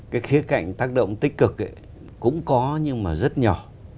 cái khía cạnh tác động tích cực ấy cũng có nhưng mà rất nhỏ